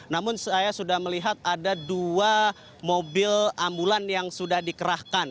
namun saya sudah melihat ada dua mobil ambulan yang sudah dikerahkan